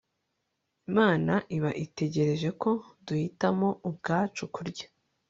Imana iba itegereje ko duhitamo ubwacu kurya